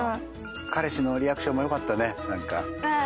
彼氏のリアクションもよかったねなんか。